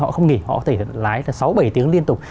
họ không nghỉ họ có thể lái cả sáu bảy tiếng liên tục